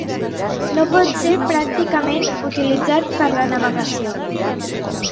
No pot ser pràcticament utilitzat per la navegació.